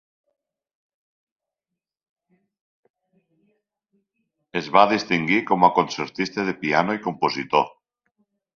Es va distingir com a concertista de piano i compositor.